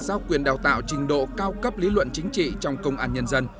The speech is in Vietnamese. giao quyền đào tạo trình độ cao cấp lý luận chính trị trong công an nhân dân